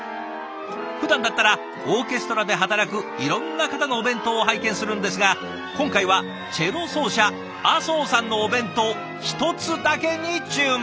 ふだんだったらオーケストラで働くいろんな方のお弁当を拝見するんですが今回はチェロ奏者阿相さんのお弁当１つだけに注目。